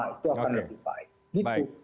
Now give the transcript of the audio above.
itu akan lebih baik